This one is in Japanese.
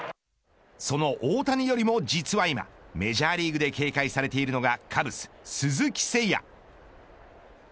その大谷よりも実は今メジャーリーグで警戒されているのがカブス、鈴木誠也。